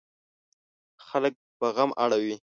خلک په غم اړوي.